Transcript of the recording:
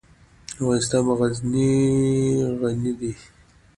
افغانستان په غزني غني دی.